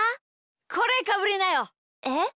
これかぶりなよ。えっ？